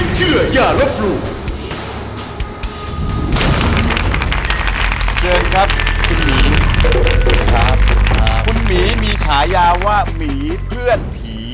เชิญครับคุณหมีครับคุณหมีมีฉายาว่าหมีเพื่อนผี